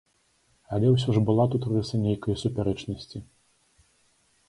Але ўсё ж была тут рыса нейкай супярэчнасці.